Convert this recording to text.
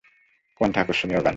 কণ্ঠে আকর্ষণীয় গান।